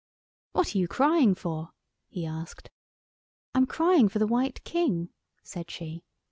"What are you crying for?" he asked. "I'm crying for the White King," said she.